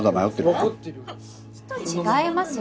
違いますよ。